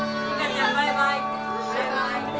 バイバイ！